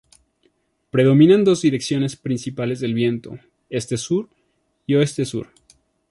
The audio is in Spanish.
Predominan dos direcciones principales del viento: Este-Sur y Oeste-Sur.